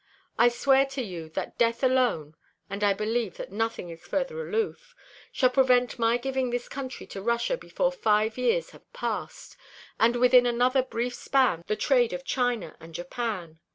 I swear to you that death alone and I believe that nothing is further aloof shall prevent my giving this country to Russia before five years have passed, and within another brief span the trade of China and Japan.